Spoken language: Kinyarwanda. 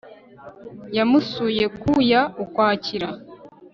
Yamusuye ku ya Ukwakira